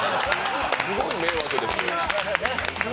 すごい迷惑です。